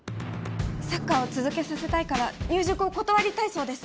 サッカーを続けさせたいから入塾を断りたいそうです。